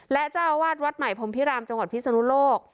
และเจ้าอาวาสวัดใหม่พรมพิรามจังหวัดพิศนุโลก